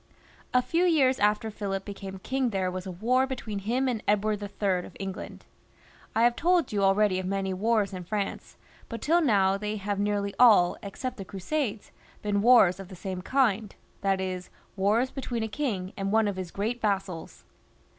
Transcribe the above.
A few years after Philip became king there was a war between him and Edward III. of England. I have told you already of many wars in France, but till now they have nearly all, except the Crusades, been wars of the same kind ; that is, wars between a king and one of his great vassals.